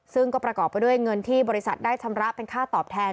ซึ่งก็ประกอบไปด้วยเงินที่บริษัทได้ชำระเป็นค่าตอบแทน